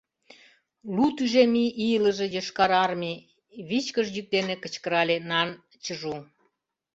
— Лу тӱжем ий илыже Йошкар Армий! — вичкыж йӱк дене кычкырале Нан Чжу.